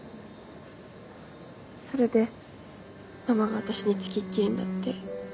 それでママが私に付きっきりになって。